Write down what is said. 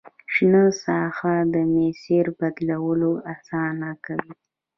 شنه ساحه د مسیر بدلول اسانه کوي